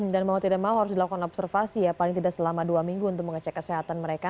dan mau tidak mau harus dilakukan observasi ya paling tidak selama dua minggu untuk mengecek kesehatan mereka